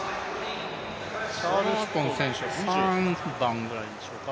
チャールストン選手は３番ぐらいでしょうか。